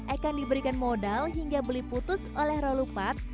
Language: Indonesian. akan diberikan modal hingga beli putus oleh rolupat